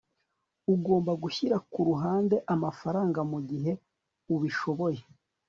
Ugomba gushyira ku ruhande amafaranga mugihe ubishoboye